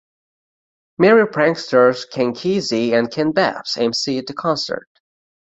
Merry Pranksters Ken Kesey and Ken Babbs emceed the concert.